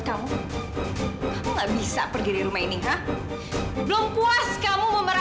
sampai jumpa di video selanjutnya